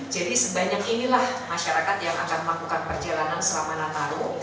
jadi sebanyak inilah masyarakat yang akan melakukan perjalanan selama nataru